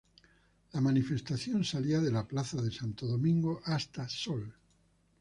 La manifestación salía de la Plaza de Santo Domingo hasta Sol.